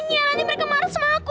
nanti mereka marah sama aku